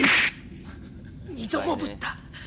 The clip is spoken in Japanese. ２度もぶった！